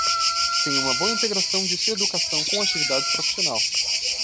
Tem uma boa integração de sua educação com a atividade profissional.